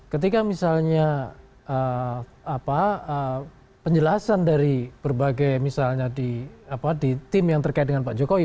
ketika misalnya penjelasan dari berbagai misalnya di tim yang terkait dengan pak jokowi